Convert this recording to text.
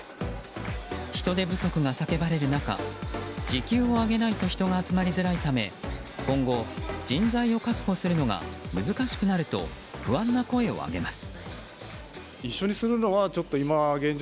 人手不足が叫ばれる中時給を上げないと人が集まりづらいため今後、人材を確保するのが難しくなると不安な声を上げます。